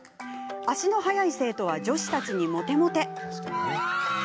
足の速い生徒は女子たちにモテモテ。